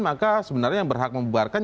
maka sebenarnya yang berhak membuarkan